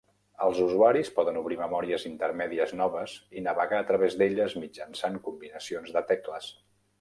Els usuaris poden obrir memòries intermèdies noves i navegar a través d'elles mitjançant combinacions de tecles.